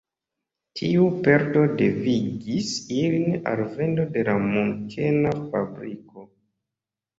Tiu perdo devigis ilin al vendo de la Munkena fabriko.